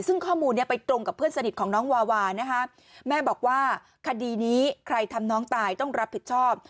ซึ่งข้อมูลนี้ไปตรงกับเพื่อนสนิทของน้องวาวานะคะแม่บอกว่าคดีนี้ใครทำน้องตายต้องรับผิดชอบ